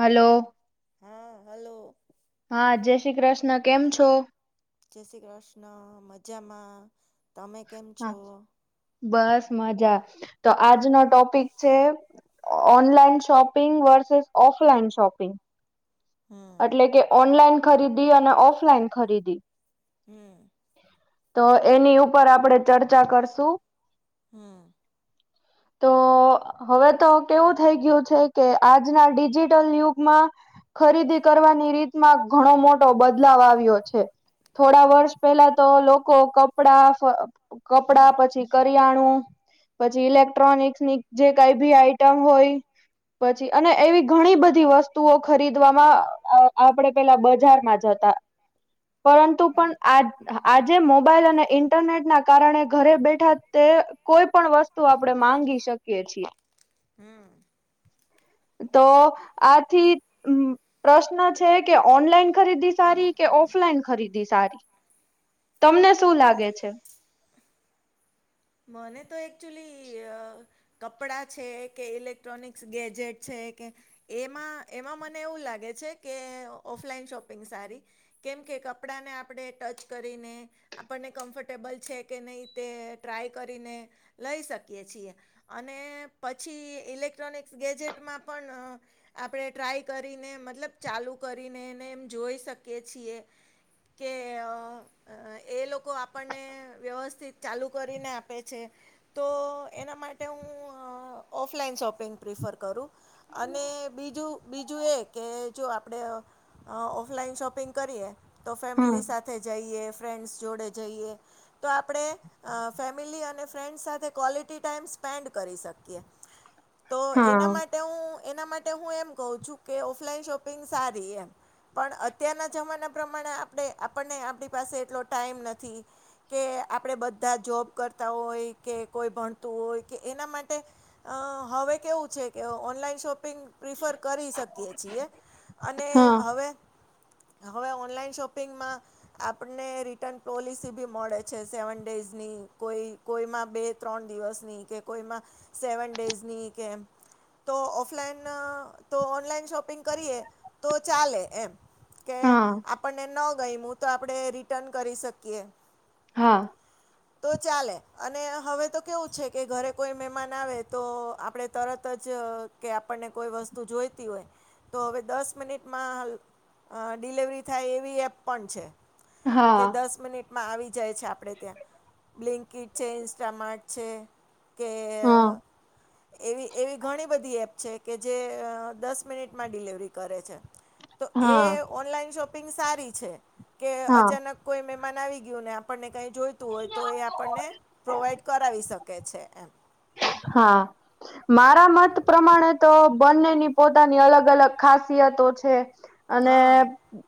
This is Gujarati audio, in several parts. હલો હા હલો હા જય શ્રી કૃષ્ણ કેમ છો જય શ્રી કૃષ્ણ મજામાં તમે કેમ હા છો બસ મજા તો આજનો ટોપિક છે ઓનલાઈન શોપિંગ વર્સેસ ઓ ઓફલાઈન શોપિંગ હમ એટલે કે ઓનલાઈન ખરીદી અને ઓફલાઈન ખરીદી હમ તો એની ઉપર આપડે ચર્ચા કરશું હમ હ તો હવે તો કેવું થઈ ગયું છે કે આજના ડિજિટલ યુગમાં ખરીદી કરવાની રીતમાં ઘણો મોટો બદલાવ આવ્યો છે થોડા વર્ષ પેલા તો લોકો કપડા કપડા પછી કરિયાણું પછી ઇલેક્ટ્રોનિકસ ની જે કઈ ભી આઈટમ હોય પછી અને એવી ઘણી બધી બધી વસ્તુઓ ખરીદવામાં આપડે પેલા બજારમાં જતા પરંતુ પણ આ આજે મોબાઈલ અને ઇન્ટરનેટ ના કારણે ઘરે બેઠા તે કોઈ પણ વસ્તુ આપણે માંગી શકીએ છીએ હમ તો આથી પ્રશ્ન છે કે ઓનલાઈન ખરીદી સારી કે ઓફલાઈન ખરીદી સારી તમને શું લાગે છે મને તો એકક્ચુલી કપડા છે કે ઇલેક્ટ્રોનિકસ ગેજેટ છે કે એમાં એમાં મને એવું લાગે છે કે ઓફલાઈન શોપિંગ સારી કેમ કેમ કે કપડાને આપણે ટચ કરીને આપણને કમ્ફર્ટેબલ છે કે નહીં તે ટ્રાય કરીને લઈ શકીએ છીએ અને પછી ઇલેક્ટ્રોનિક્સ ગેજેટમાં પણ આપણે ટ્રાય કરીને મતલબ ચાલુ કરીને એને એમ જોઈ શકીએ છીએ કે એ લોકો આપણને વ્યવસ્થિત ચાલુ કરીને આપે છે તો એના માટે હું ઓફલાઈન શોપિંગ પ્રિફર કરું અને બીજું બીજું એ કે જો આપડે અ ઓફલાઈન શોપિંગ કરીએ તો ફેમિલી સાથે જઈએ ફ્રેન્ડ્સ જોડે જઈએ તો આપણે ફેમિલી અને ફ્રેન્ડ્સ સાથે ક્વૉલિટી ટાઈમ સ્પેન્ડ કરી શકીએ તો એના હા માટે હું એના માટે હું એમ કું છું કે ઓફલાઈન શોપિંગ સારી એમ પણ અત્યારના જમાના પ્રમાણે આપણે આપણને આપણી પાસે એટલો ટાઈમ નથી કે આપડે બધા બધા જોબ કરતા હોય કે કોઈ ભણતું હોય કે એના માટે અ હવે કેવું છે ઓનલાન શોપિંગ પ્રિફર કરી શકીએ છીએ અને હા હવે હવે ઓનલાઈન શોપિંગમાં આપને રિટર્ન પોલિસી ભી મળે છે સેવન ડેઝ ની કોઈ કોઈમાં બે ત્રણ દિવસની કે કોઈમાં સેવન ડેઝની કે તો ઓફલાઈન તો ઓનલાઈન શોપિંગ કરીએ તો ચાલે એમ કે હા આપણને ન ગઈમું તો આપણે રિટર્ન કરી શકીએ હા તો ચાલે અને હવે તો કેવું છે કે ઘરે કોઈ મહેમાન આવે તો આપડે તરત જ કે આપણને કોઈ વસ્તુ જોઈતી હોય તો હવે દસ મિનિટમાં અ ડિલેવરી થાય એવી એપ પણ છે કે હા દસ મિનિટમાં આવી જાય છે આપડે ત્યાં બ્લિંકિટ છે ઇન્સ્ટમાર્ટ છે કે હા એવી એવી ઘણી બધી એપ છે કે જે દસ મિનિટમાં ડિલિવરી કરે છે તો એ હા ઓનલાઈન શોપ કોય આપ ક હા અચાનક કોઈ મેહમાન આવી ગયો ને કઈ બોઈબે તો એ આપણને પ્રોવાઈડ કરાવી શકે છે એમ હ હા મારા મત પ્રમાણે તો બંનેની પોતાની અલગ અલગ ખાસિયત છે અને હા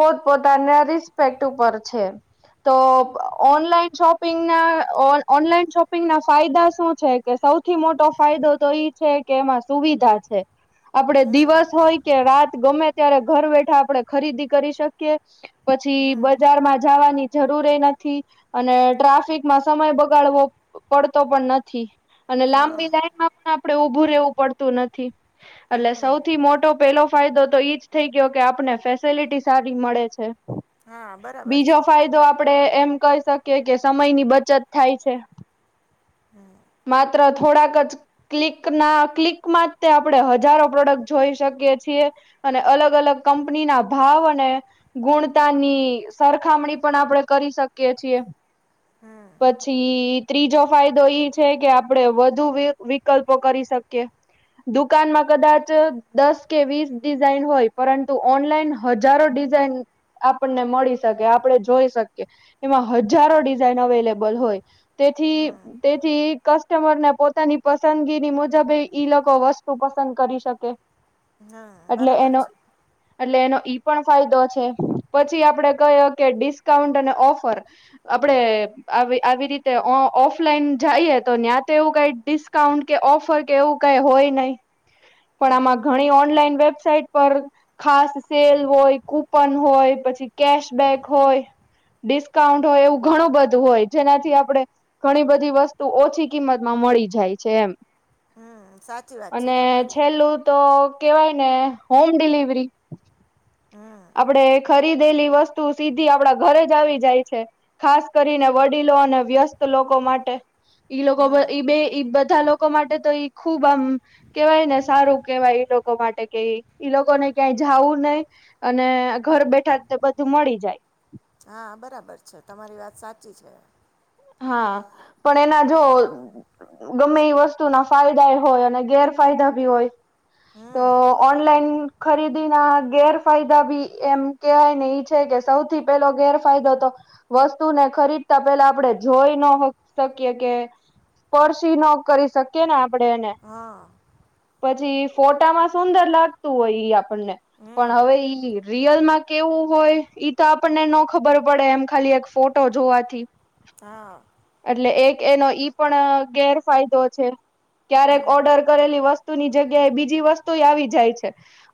પોત પોતાના રિસ્પેક્ટ ઉપર છે તો ઓનલાઈન શોપિંગ ના ઓનલાઈન શોપિંગ ના ફાયદા શું છે કે સૌથી મોટો ફાયદો તો ઈ છે કે એમાં સુવિધા છે આપડે દિવસ હોય કે રાત ગમે અ્યારે ઘર બેઠા આપડે ખરીદી કરી શકીએ પછી બજારમાં જવાની જરૂરી નથી અને ટ્રાફિકમાં સમય બગાડવો પડતો પણ નથી અને હા લાંબી લાઈનમાં પણ આપડે ઉઊભું રહેેવું પડતું નથી એટલે હમ સૌથી મોટો પેલો ફાયદો તો ઈજ થઈ ગયો કે આપને ફેસિલિટી સારી મળે છે હા બરાબર છે આપડે એમ કહી શકીએ કે સમય ની બચત થાય છે હમ માત્ર થોડાક જ ક્લિક ના ક્લિકમાં તે આપડણે હજારો પ્રોડક્ટ જોઈ શકી અને અલગ અલગ કંપની ના ભાવ અને ગુણતાની સરખામ આપણે કરી શકીએ છી પછી ત્રીજો ફાયદો એ છે કે આપડે વધુ વિકલ્પો કરી શકીએ દુકાનમાં કદાચ દસ કે વીસ ડિઝઇન હોય પરંતુ ઓનલાઈન હજારો ડિઝાઇન આપણને મળી શકે આપણે જોઈ શકીએ એમાં હજારો ડિઝાઇન અવેલેબલ હોય તેથી તે કસ્ટમર ને પોતાની પસંદગી મુજબ ઈ લોકો વસ્તુ પસંદ કરી શકે હમ એટલે બરાબર એનો છે એટલે એનો ઈ પણ ફાયદો છે પછી આપડે કહયો કે ડિસ્કાઉન્ટ અને ઓફર આપડે આવી રીતે ઓફલાઈન જઈએ તો ્યાં તો એવું કઈ ડિસ્કાઉન્ટ કે ઓફર કે એવું કઈ હોય નહીિ પણ આમાં ઘણી ઓનલાઈન વેબસાઇટ પર ખાસ સેલ હોય કુપન હોય પછી કેશબેક હોય ડિસ્કાઉન્ટ હોય એવું ઘણું બધું હોય જેનાથી આપડણે ઘણી બધી વસ્તુ ઓછી કિંમતમાં મળી જાય છે એમ હમ સાચી વાત છે તમારી ું તો કેવાય ને હોમ ડિલિવરી આપડે ખરીદેલી વસ્તુ સીધી આપડા ઘરે જ આવી જાય છે ખાસ કરીને વડીલ અને વ્યસ્ત લોકો માટે ઈ લોકો ઈ બે બા લોકો માટે તો ખુબ આમ કેવાય ને સારું કેહેવાય લોકો માટે કે ઈ લોકોને કઈ જવું નહીિ અને ઘર બેઠા બધું મળી જાય હા બરાબર છે તમારી વાત સાચી છે હા પણ એના જો ગમે એ વસ્તુ ના ફાયદા એ હોય અને ગેરફાયદા ભી હોય તો હમ ઓનલાઈન ખરીદી ના ગેરફાયદા ભી એમ કહેવાય ને છે કે સૌથી પેલો ગેરફાયદો તો વસ્તુ ને ખરીદતા પેલા આપડે જોઈ ન શકીએ કે સ્પર્શી ન કરી શકીએ ને આપડે એને હા પછી ફોટામાં સુંદર લાગતું હોય આપણને પણ હમ હવે ઈ રિયલમાં કેવું હોય ઈ તો આપણને ન ખબર પડે એમ ખાલી એક ફોટો જોવાથી છ એટલે એક એનો ઈ પણ ગેરફાયદો છે ક્યારેક હમ ઓર્ડર કરેલી વસ્તુ ની જગ્યા એ બીજી વસ્તુ આવી જાય છે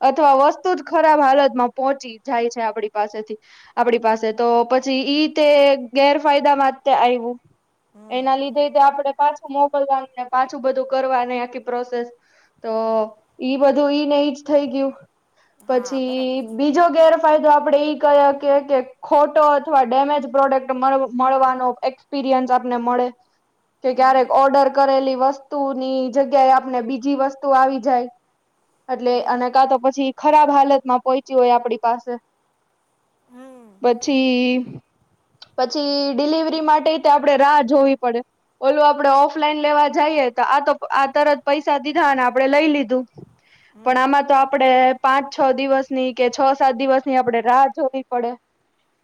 અથવા વસ્તુ જ ખરાબ હાલતમાં પોહોંચી જાય છે આપડી પાસેથી આપડી પાસે તો પછી ઈ તે ગેરફાયદા માટે આવું એના લીધે તે આપણેે પાછું મોકલવાનુંને પાછું બધું કરવા ન આખી પ્રોસેસ તો ઈ બધું ઈ ન જ થઈ ગયું હા પછી બરાબર છે બીજો ગેરફાયદો આપ આપણે ઈ કહી કે કે ખોટો અથવા ડેમેજ પ્રોડક્ટ મળવાનો એક્સપિરિયન્સ આપને મળે કે ક્યારેક ઓર્ડર કરેલી વસ્તુ ની જગ્યાએ આપને બીજી વસ્તુ આવી જાય એટલે અને કા તો પછી ખરાબ હાલતમાં પહોચી હોય આપડી પાસે હમ પછી પછી ડિલવરી માટે આપે રાહ જોવી પડે ઓલું આપડે ઓફલાઈન લેવા જઈએ તો આ તરત પૈસા દીધા ને આપડણે લઈ લીધું પણ આમાં તો આપડે પાંચ છ દિવસ ની કે છ સાત દિવસ ની આપડે રાહ જોવી પડે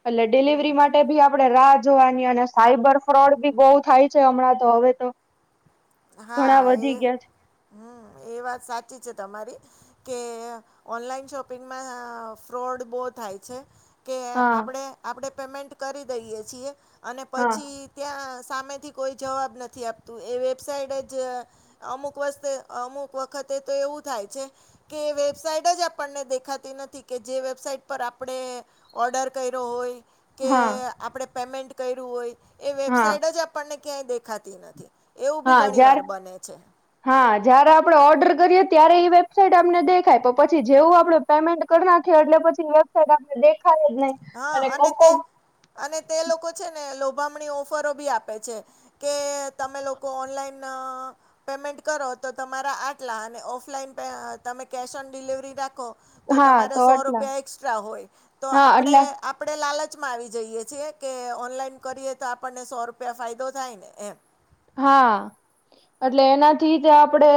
એટલે ડિલિવરી માટે ભી આપડે રાહ જોવાની અને સાઈબર ફ્રોડ બી બહુ થાય છે હમણાં તો હવે તો હા ઘણા એ વધી ગયા છે હમ એ વાત સાચી છે તમારી કે ઓનલાઈન શોપિંગમાં ફ્રોડ બહ થાય છે કે હા આપણે આપણેે પેમેન્ટ કરી દઈયએ છીએ અને હા પછી ત્યાં સામેથી કોઈ જવાબ નથી આપતું એ વેબસાઇટ જ અમુક વતે અમુક વખતે તો એવું થાય છે કે વેબસાઇટ આપણને દેખાતી નથી કે જે વેબસાઇટ પર આપણે ઓર્ડર કર્યો હોય કે હા. આપણે પેમેન્ટ કર્યું હોય એ હા વેબસાઇટ જ આપણને ક્યાંય દેખાતી નથી. એવું બી હા ઘણી જ્યારે, વાર બને છે હા જયારે આપણેે ઓર્ડર કરીએ. ત્યારે એ વેબસાઇટ આપને દેખાય તો પછી જેવું આપણે પેમેન્ટ કરી નાખીએ એટલે પછી વેબસાાઈટ આપને દેખાય જ નહીં હા અને કોક તે કોક અને તે લોકો છે ને લોભામણી ઓફરો ભી આપે છે કે તમે લોકો ઓનલાઈન પેમેન્ટ કરો તો તમારા આટલા અને ઓફલાઈન તમે કેશ ઓન ડિલિવરી રાખો તો હા તમારે સો એટલા રૂપિયા એસ્ટ્રા હોય તો, હા આપણે એટલે આપડે લાલચ આવી જઈએ છે કે ઓનલાઈન કરીએ તો આપણને સો રૂપિયા ફાયદો થાય ને એમ હા એટલે એનાથી તે આપડે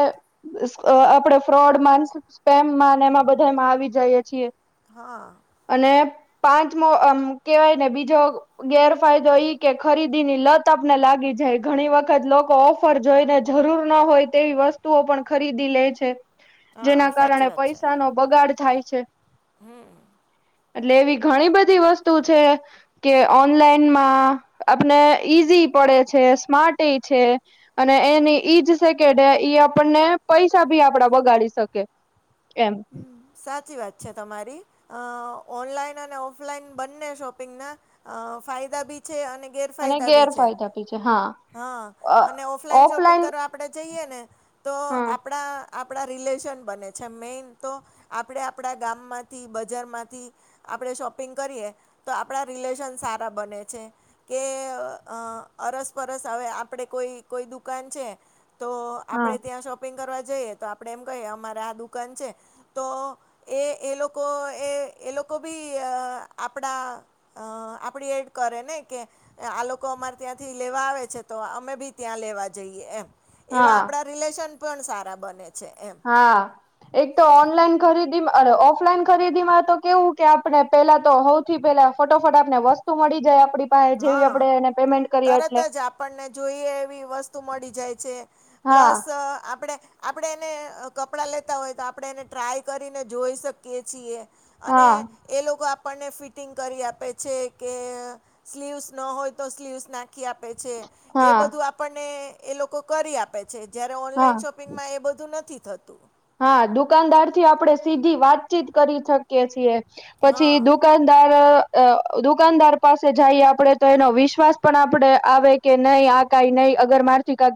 આપડે ફ્રોડમાન સ્કેમમાન એમાં બ બધા એમાં આવી જઈએ છીએ. હા અને પાંચમો આમ કેવાય ને બીજો ગેરફાયદો ઈ કે ખરીદી ની લત આપને લાગી જાય ઘણી વખત લોકો ઓફર જોઈને જરૂર ન હોય તેવી વસ્તુઓ પણ ખરીદી લે છે. જેના હા કારણે પૈસાનો બગાડ થાય છે. હમ્મ એટલે એવી ઘણી બધી વસ્તુ છે કે ઓનલાઈનમાં આપને ઈઝી પડે છે સ્માર્ટ છે અને એની ઈજ આપણને પૈસા ભી આપડા બગાડી શકે એમ હ સાચી વાત છે તમારી અ ઓનલાઈન અને ઓફલાઈન બંને શોપિંગ ના ફાયદા ભી છે અને અને ગેરફાયદા બી છે ગેરફાયદા ભી છે. હા અને ઓફલાઈન શોપિંગ કરવા આપણેે જઈએ ને તો હા આપણા આપણા રિલેશન બને છે, મેઈન તો આપણે આપણા ગામમાંથી બજાર માંથી આપણે શોપિંગ કરીએ તો આપણા રિલેશન સારા બને છે કે અસ પરસ હવે આપણે કોઈ કોઈ દુ દુકાન છે તો હા આપડે ત્યાં શોપિંગ કરવા જઈએ તો આપડે એમ કહીએ અમારે આ દુકાન છે તો એ એ લોકો એ એ લોકો ભી આપડા અ આપડી એડ કરે ને કે આ લોકો અમારે ત્યાંથી લેવા આવે છે તો અમે ભી ત્યાં લેવા એ એ એવા હા આપડા રિલેશન પણ સારા બને છે. એમ હા એક તો ઓનલાઈન ખરીદી ઓફલાઈન ખરીદીમાં તો કેવું કે આપણે પેલા તો સૌથી પેલા ફોટો ફટાક ને વસ્તુ મળી જાય આપણી પાસે જેવી હા આપણે એનેે તરત જ આપણને જોઈએ એવી વસ્તુ મળી જાય છે હા પ્લસ આપડે આપણે એને કપડાં લેતા હોય તો આપણે એને ટ્રાય કરીને જોઈ શકીએ છીએ. અને હા એ લોકો આપણને ફિટિંગ કરી આપે છે કે સ્લીવ્સ ન હોય તો સ્લીવ્સ નાખી આપે છે એ હા બધું આપણને એ લોકો કરી આપે છે જયારે હા ઓનલાઈન શોપિંગમાં એ બધું નથી થતું હા દુકાનદારથી આપડે સીધી વાતચીત કરી શકીએ છીએ. પછી હા દુકાનદાર અ દુકાનદાર પાસે જઈએ આપડે તો એનો વિશ્વાસ પણ આપડે આવે કે નહી આ કઈ નહી અગર મારથી કક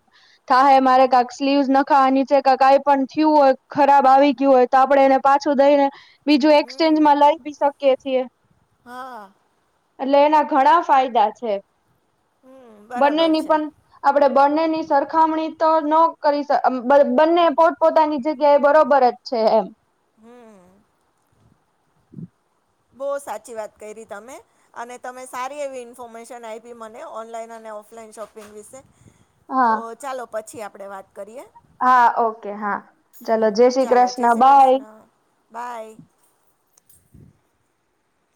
થાહે મારે કાક સ્લીવ નખાવાની છે કઈ પણ થયું હોય ખરાબ આવી ગયું હોય તો આપડે એને પાછું દઈને બીજું હમ એક્સચેન્જ માં લઈ ભી શકીએ કે છ એ હા એટલે એના ઘણા ફાયદા છે. હમ બરાબર બંનેની છે પણ આપડે બંનેની સરખામણી તો ન કરી બંને પોત પોતાની જગ્યા એ બરોબર જ છે એમ હમ્મ બહુ સાચી વાત કરી તમે અને તમે સારી એવી ઇન્ફોર્મેશન આપી મને ઓનલાઈન ઓફલાઈન શોપિંગ વિશે તો હા ચાલો પછી આપણે વાત કરીએ હા ઓકે હા ચલોો જય શ્રી ચાલો જય કૃષ્ણ શ્રી બાય કૃષ્ણ બાય